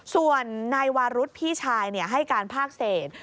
ส่วนนายวารุธพี่ชายให้การภาคเศษ